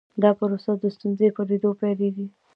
دا پروسه د ستونزې په لیدلو پیلیږي.